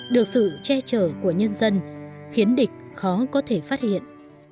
được sự che chở của nhân dân khiến địch khó có thể phát hiện